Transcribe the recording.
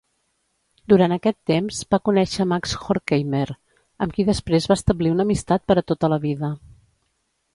Durant aquest temps va conèixer Max Horkheimer, amb qui després va establir una amistat per a tota la vida.